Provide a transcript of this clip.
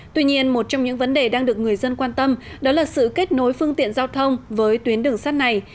tuy nhiên một trong những vấn đề đang được người dân quan tâm đó là sự kết nối phương tiện giao thông với tuyến đường sắt này